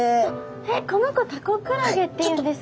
えっこの子タコクラゲっていうんですか？